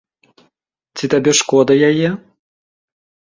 Ці табе шкода яе?